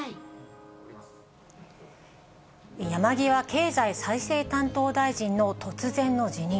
山際経済再生担当大臣の突然の辞任。